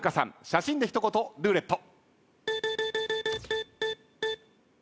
写真で一言ルーレット。